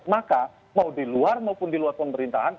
maka mau diluar maupun diluar pemerintahan